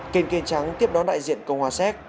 kênh kênh trắng tiếp đón đại diện công hòa séc